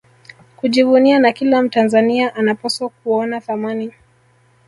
kujivunia na kila Mtanzania anapaswa kuona thamani